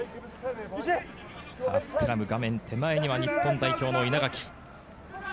スクラム、画面手前には日本代表の稲垣。